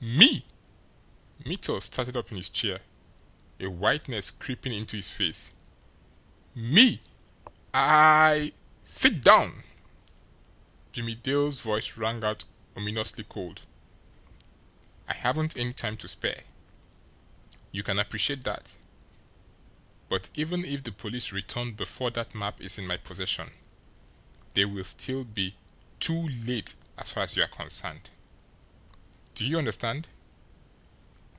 "Me!" Mittel started up in his chair, a whiteness creeping into his face. "Me! I I " "Sit down!" Jimmie Dale's voice rang out ominously cold. "I haven't any time to spare. You can appreciate that. But even if the police return before that map is in my possession, they will still be TOO LATE as far as you are concerned. Do you understand?